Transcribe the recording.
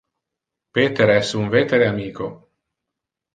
Peter es un vetere amico.